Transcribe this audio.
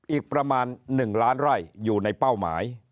อีกประมาณ๑ล้านไร่อยู่ในเป้าหมาย